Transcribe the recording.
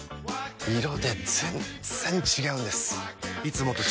色で全然違うんです！